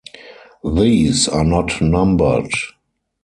These are not numbered.